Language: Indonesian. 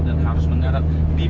dan harus menyerat di provinsi